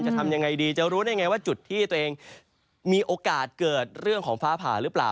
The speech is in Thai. จะรู้ได้ยังไงว่าจุดที่ตัวเองมีโอกาสเกิดเรื่องของฟ้าผ่าหรือเปล่า